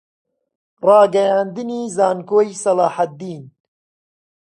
ڕاگەیاندنی زانکۆی سەلاحەددین